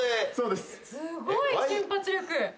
すごい瞬発力。